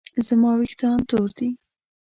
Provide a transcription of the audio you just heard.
زما ویښتان تور دي